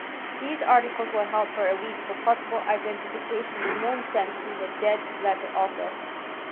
These articles were held for a week for possible identification and then sent to the Dead Letter Office.